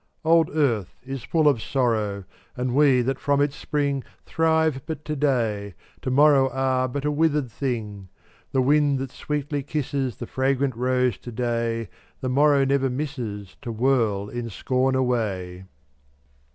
420 Old earth is full of sorrow, And we that from it spring Thrive but to day; to morrow Are but a withered thing. The wind that sweetly kisses The fragrant rose to day, The morrow never misses To whirl in scorn away.